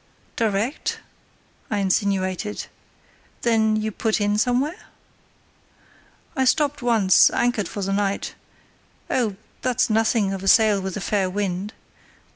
"Direct?" I insinuated. "Then you put in somewhere?" "I stopped once, anchored for the night; oh, that's nothing of a sail with a fair wind.